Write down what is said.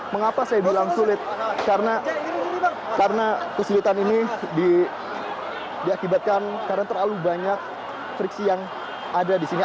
mengapa saya bilang sulit karena kesulitan ini diakibatkan karena terlalu banyak friksi yang ada di sini